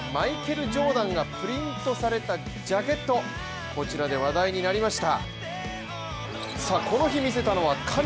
前回の試合後には神様マイケル・ジョーダンがプリントされたジャケットで話題になりました。